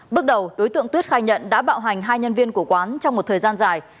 bước đầu đối tượng tuyết khai nhận đã bạo hành hai nhân viên của quán trong một thời gian dài